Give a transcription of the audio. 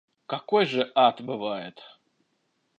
Какой же ад бывает